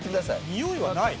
においはない。